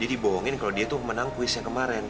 dia dibohongin kalo dia tuh menang quiz yang kemaren